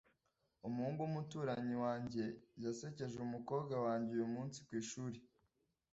Umuhungu wumuturanyi wanjye yasekeje umukobwa wanjye uyumunsi kwishuri.